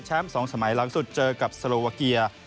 แชมป์๒สมัยหลังสุดเจอกับสโลวาเกียร์